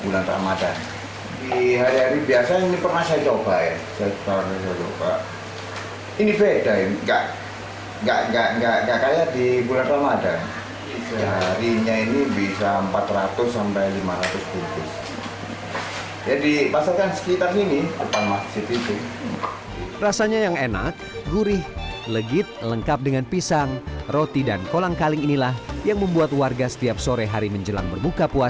yang membedakan kolak serikaya dengan kolak yang ada di indonesia adalah menggunakan telur sebagai tambahan dalam kuahnya